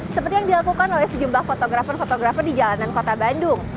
seperti yang dilakukan oleh sejumlah fotografer fotografer di jalanan kota bandung